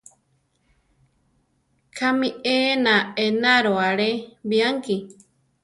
¿Kámi ena enaro alé bianki?